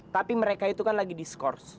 tapi mereka itu kan lagi di skors